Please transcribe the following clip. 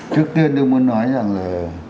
trước tiên tôi muốn nói rằng là